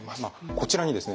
こちらにですね